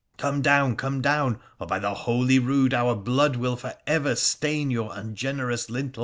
Come down, come down, or by the Holy Rood our blood will for ever stain your ungenerous lintel